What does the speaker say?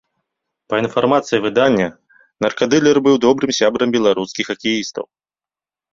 Па інфармацыі выдання, наркадылер быў добрым сябрам беларускіх хакеістаў.